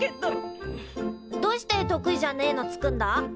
どうして得意じゃねえの作んだ？